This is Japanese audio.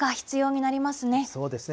そうですね。